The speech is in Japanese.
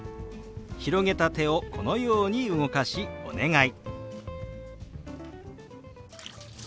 広げた手をこのように動かし「お願い」。